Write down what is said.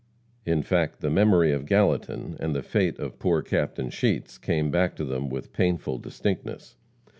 In fact, the memory of Gallatin, and the fate of poor Captain Sheets, came back to them with painful distinctness.